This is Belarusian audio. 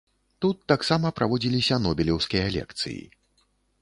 Тут таксама праводзіліся нобелеўскія лекцыі.